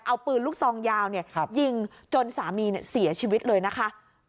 เอาปืนลูกซองยาวยิงจนสามีเสียชีวิตเลยนะคะ